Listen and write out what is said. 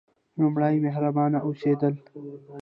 لومړی: مهربانه اوسیدل.